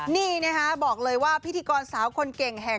นี่นะคะบอกเลยว่าพิธีกรสาวคนเก่งแห่ง